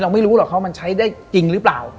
ไม่รู้หรอกเขามันใช้ได้จริงหรือเปล่า